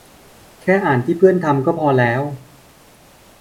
แค่อ่านที่เพื่อนทำก็พอแล้ว